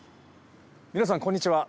皆さんこんにちは。